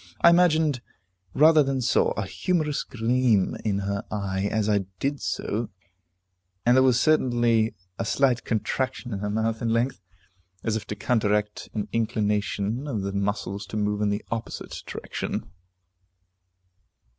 I imagined, rather than saw, a humorous gleam in her eye, as I did so, and there was certainly a slight contraction of her mouth in length, as if to counteract an inclination of the muscles to move in the opposite direction.